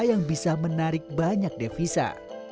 yang bisa menarik banyak devisa